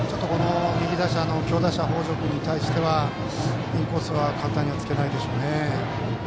右打者の強打者の北條君に対してはインコースは簡単には突けないでしょうね。